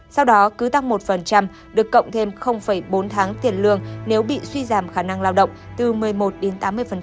sau đó cứ tăng một được cộng thêm bốn tháng tiền lương nếu bị suy giảm khả năng lao động từ một mươi một đến tám mươi